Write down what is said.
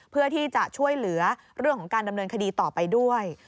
เพื่อที่จะช่วยเหลือเรื่องของการดำเนินคดีต่อไปด้วย